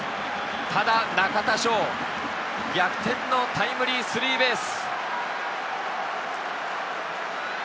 ただ中田翔、逆転のタイムリースリーベース。